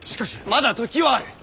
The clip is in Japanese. まだ時はある！